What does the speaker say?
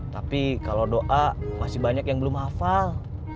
tapi kalau doa masih banyak yang belum hafal